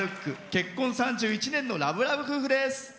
結婚３１年のラブラブ夫婦です。